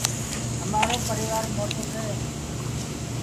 امارون پريوار موٽون سي